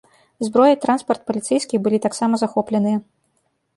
Зброя і транспарт паліцэйскіх былі таксама захопленыя.